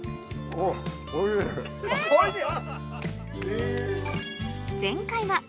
おいしい！